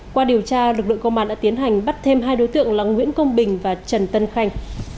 qua điều tra lực lượng công an đã tiến hành bắt thêm hai đối tượng là nguyễn công bình và trần tân khanh